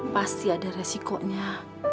pasti ada resikonya